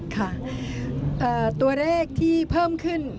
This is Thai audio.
ค่ะตัวเลขที่เพิ่มขึ้น